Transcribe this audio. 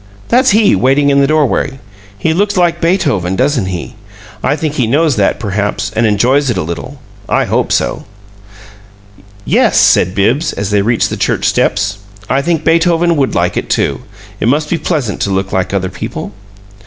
That's he, waiting in the doorway. He looks like Beethoven, doesn't he? I think he knows that, perhaps and enjoys it a little. I hope so." "Yes," said Bibbs, as they reached the church steps. "I think Beethoven would like it, too. It must be pleasant to look like other people."